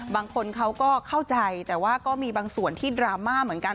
บางคนเขาก็เข้าใจแต่ว่าก็มีบางส่วนที่ดราม่าเหมือนกัน